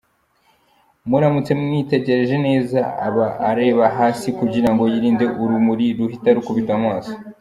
Muramutse mwitegereje neza, aba areba hasi kugira ngo yirinde urumuri ruhita rukubita ku maso.